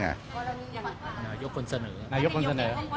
นายกคนเสนอ